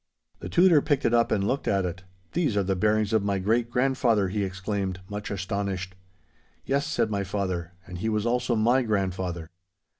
The Tutor picked it up and looked at it. 'These are the bearings of my great grandfather!' he exclaimed, much astonished. 'Yes,' said my father; 'and he was also my grandfather.